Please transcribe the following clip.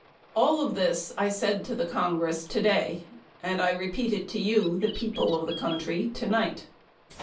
All of this I said to the Congress today and I repeat it to you, the people of the country tonight.